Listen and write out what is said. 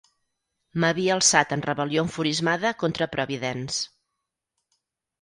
M'havia alçat en rebel·lió enfurismada contra Providence.